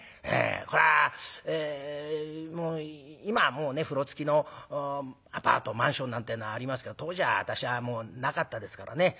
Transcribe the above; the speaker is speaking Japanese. これは今はもうね風呂付きのアパートマンションなんてえのありますけど当時は私はもうなかったですからね。